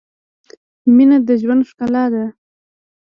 مینه د ژوند ښلا ده